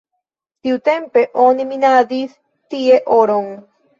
Tiutempe oni minadis tie oron.